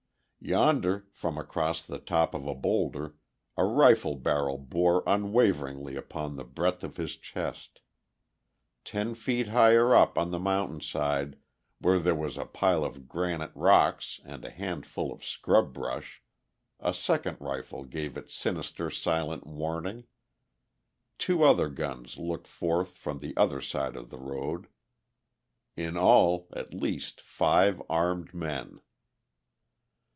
Yonder, from across the top of a boulder, a rifle barrel bore unwaveringly upon the breadth of his chest; ten feet higher up on the mountainside where there was a pile of granite rocks and a handful of scrub brush, a second rifle gave its sinister silent warning; two other guns looked forth from the other side of the road ... in all, at least five armed men....